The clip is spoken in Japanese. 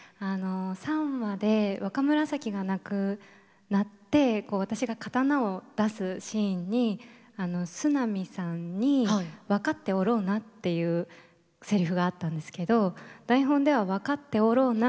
３話で若紫が亡くなって私が刀を出すシーンに角南さんに「分かっておろうな」っていうセリフがあったんですけど台本では「分かっておろうな！」